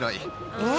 え？